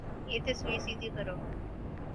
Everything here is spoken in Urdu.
یہ تصویر سیدھی کرو